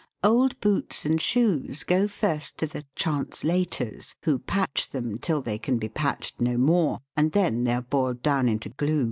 Old boots and shoes go first to the " translators," who patch them till they can be patched no more, and then they are boiled down into glue.